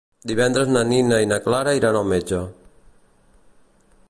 Divendres na Nina i na Clara iran al metge.